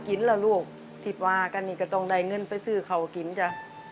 ล่ะลูกที่ว่ากันนี่ก็ต้องได้เงินไปซื้อเขากินจ้ะ